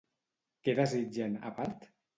Què desitgen, a part?